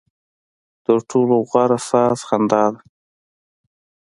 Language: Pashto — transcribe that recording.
ترټولو غوره ساز خندا ده.